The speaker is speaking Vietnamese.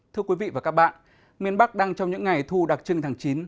thưa quý vị và các bạn miền bắc đang trong những ngày thu đặc trưng tháng chín